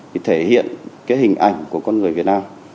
thì thể hiện cái hình ảnh của con người việt nam